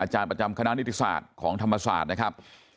ประจำคณะนิติศาสตร์ของธรรมศาสตร์นะครับ